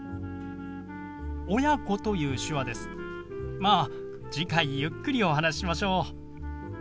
まあ次回ゆっくりお話ししましょう。